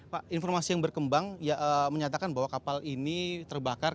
pak informasi yang berkembang menyatakan bahwa kapal ini terbakar